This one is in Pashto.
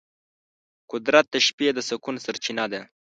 قدرت د شپې د سکون سرچینه ده.